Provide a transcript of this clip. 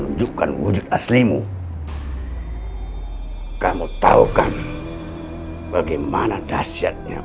ujikanlah abu kobra yang sudah mati merekamu yang